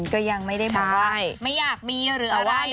ก็ยังไม่ได้บอกว่าไม่อยากมีหรืออะไร